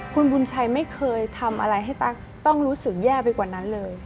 คุณบุญชัยไม่เคยทำอะไรให้ตั๊กต้องรู้สึกแย่ไปกว่านั้นเลย